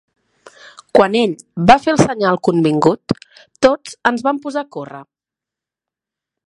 Quan ell va fer el senyal convingut, tots ens vam posar a córrer.